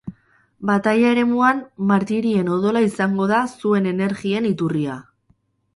Bataila-eremuan martirien odola izango da zuen energien iturria.